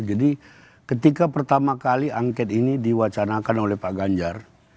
jadi ketika pertama kali angket ini diwacanakan oleh pak ganjar